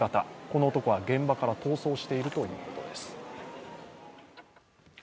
この男は現場から逃走しているということです。